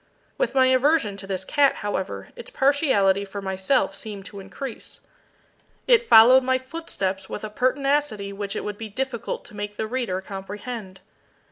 With my aversion to this cat, however, its partiality for myself seemed to increase. It followed my footsteps with a pertinacity which it would be difficult to make the reader comprehend.